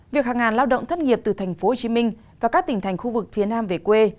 việc hàng ngàn lao động thất nghiệp từ tp hcm và các tỉnh thành khu vực phía nam về quê